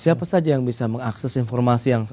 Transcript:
siapa saja yang bisa mengakses informasi yang